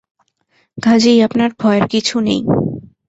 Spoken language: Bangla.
কাজেই আপনার ভয়ের কিছু নেই।